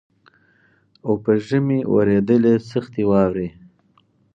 او په ژمي اورېدلې سختي واوري